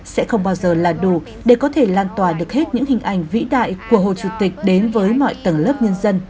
sẽ không bao giờ là đủ để có thể lan tỏa được hết những hình ảnh vĩ đại của hồ chủ tịch đến với mọi tầng lớp nhân dân